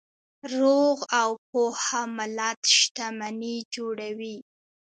روغ او پوهه ملت شتمني جوړوي.